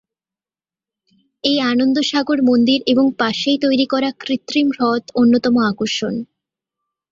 এই আনন্দ সাগর মন্দির এবং পাশেই তৈরি করা কৃত্রিম হ্রদ অন্যতম আকর্ষণ।